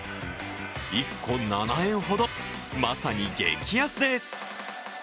１個７円ほど、まさに激安です。